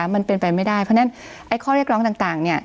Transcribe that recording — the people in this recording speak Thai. มันเป็นไปไม่ได้เพราะฉะนั้นไอ้ข้อเรียกร้องต่างเนี่ย